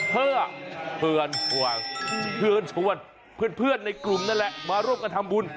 เพื่อเพื่อนชวนเพื่อนในกลุ่มนั่นแหละมาร่วมกันทำบุญ